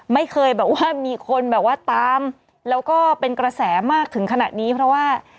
ไม่เคยแบบว่ามีคนแบบว่าตามแล้วก็เป็นกระแสมากถึงขนาดนี้เพราะว่า